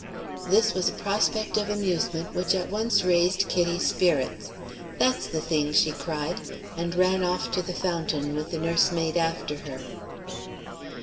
This was a prospect of amusement which at once raised Kitty's spirits. "That's the thing!" she cried, and ran off to the fountain, with the nursemaid after her.